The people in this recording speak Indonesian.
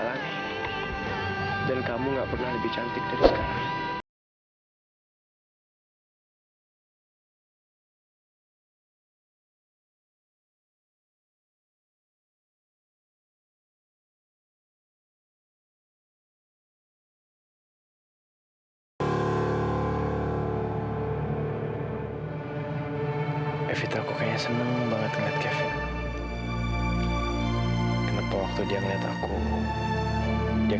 loh itu kan mobil pacarnya evita